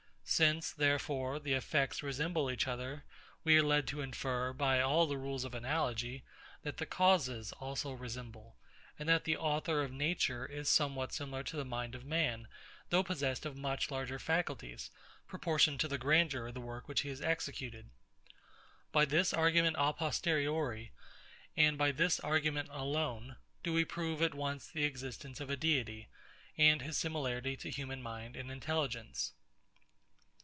Since, therefore, the effects resemble each other, we are led to infer, by all the rules of analogy, that the causes also resemble; and that the Author of Nature is somewhat similar to the mind of man, though possessed of much larger faculties, proportioned to the grandeur of the work which he has executed. By this argument a posteriori, and by this argument alone, do we prove at once the existence of a Deity, and his similarity to human mind and intelligence.